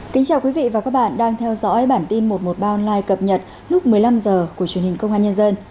kính chào quý vị và các bạn đang theo dõi bản tin một trăm một mươi ba online cập nhật lúc một mươi năm h của truyền hình công an nhân dân